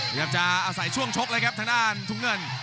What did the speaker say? พยายามจะอาศัยช่วงชกเลยครับธนาศาลถุงเงิน